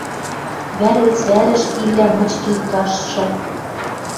Вӓр гӹц вӓрӹш ивлӓ мыч килт каштшы